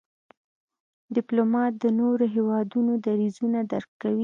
ډيپلومات د نورو هېوادونو دریځونه درک کوي.